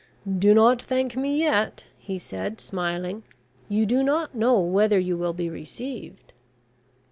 "Do not thank me yet," he said, smiling; "you do not know whether you will be received."